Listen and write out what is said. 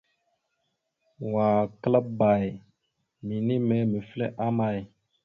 Wa klaabba minime mefle ama.